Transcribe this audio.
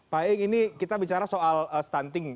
pak iing ini kita bicara soal stunting